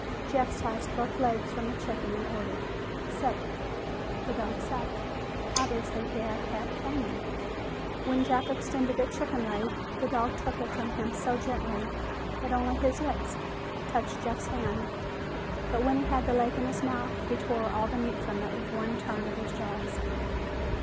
Jeff sliced both legs from the chicken and ordered, "Sit!" The dog sat; obviously he had had training. When Jeff extended a chicken leg, the dog took it from him so gently that only his lips touched Jeff's hand, but when he had the leg in his mouth he tore all the meat from it with one turn of his jaws.